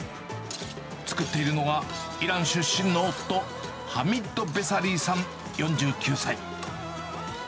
作っているのが、イラン出身の夫、ハミッド・ベサリーさん４９歳。